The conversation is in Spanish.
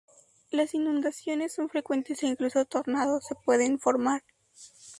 Las inundaciones son frecuentes e incluso tornados se pueden formar.